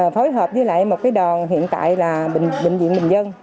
phối hợp với lại một đòn hiện tại là bệnh viện bình dân